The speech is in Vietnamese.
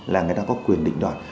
là người ta có quyền định đoàn